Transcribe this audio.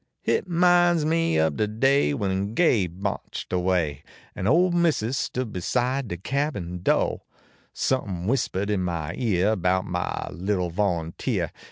Hit minds me ob de day when Gabe marched away KM ole missus stood beside de cabin do ; Somepin whispahed in my ear bout my little volunteer.